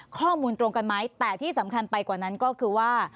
ข้อมูลตรงกันไหมแต่ที่สำคัญไปกว่านั้นก็คือว่า